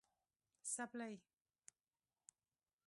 🩴څپلۍ